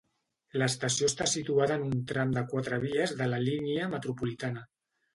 L'estació està situada en un tram de quatre vies de la línia Metropolitana.